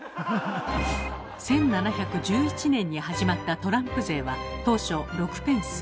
１７１１年に始まったトランプ税は当初６ペンス。